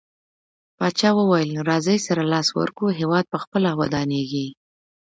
پاچاه وويل: راځٸ سره لاس ورکړو هيواد په خپله ودانيږي.